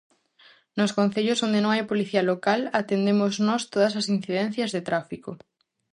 Nos concellos onde non hai Policía Local atendemos nós todas as incidencias de tráfico.